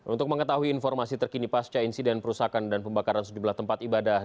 untuk mengetahui informasi terkini pasca insiden perusahaan dan pembakaran sejumlah tempat ibadah